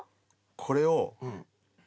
これを。